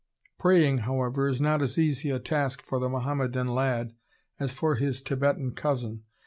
Praying, however, is not as easy a task for the Mohammedan lad as for his Thibetan cousin.